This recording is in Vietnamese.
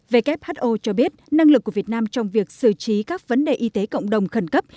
who cho biết năng lực của việt nam trong việc xử trí các vấn đề y tế cộng đồng khẩn cấp